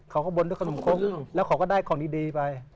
บนด้วยขนมคกแล้วเขาก็ได้ของดีไป